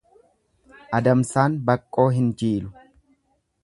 Adamsaan Baqqoo hin jiilu.